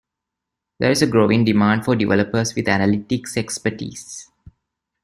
There is a growing demand for developers with analytics expertise.